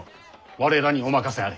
我らにお任せあれ。